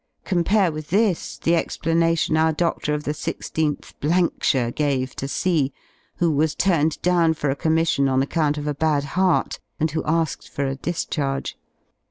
Compare with this the explanation our dodor of the 1 6th Blankshire gave to C who was turned down for a commission on account of a bad heart and who asked for^ a discharge.